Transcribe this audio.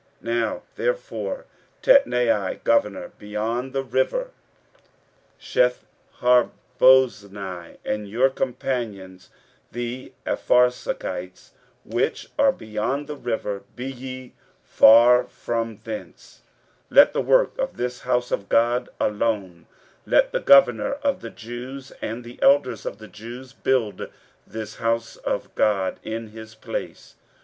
15:006:006 Now therefore, Tatnai, governor beyond the river, Shetharboznai, and your companions the Apharsachites, which are beyond the river, be ye far from thence: 15:006:007 Let the work of this house of God alone; let the governor of the Jews and the elders of the Jews build this house of God in his place.